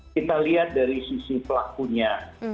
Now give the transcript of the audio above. kita lihat dari sisi pelakunya